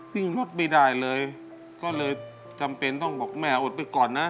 วิ่งรถไม่ได้เลยก็เลยจำเป็นต้องบอกแม่อดไปก่อนนะ